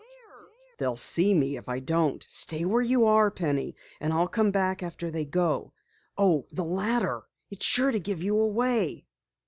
"They'll see me if I don't. Stay where you are Penny, and I'll come back after they go. Oh, the ladder! It's sure to give you away!"